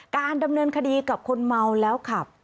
การดำเนินคดีกับคนเมาแล้วขับ